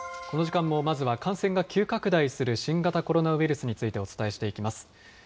この時間もまずは、感染が急拡大する新型コロナウイルスについてお伝えしていきます。